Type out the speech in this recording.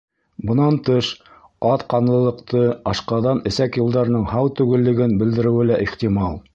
Бынан тыш, аҙ ҡанлылыҡты, ашҡаҙан-эсәк юлдарының һау түгеллеген белдереүе лә ихтимал.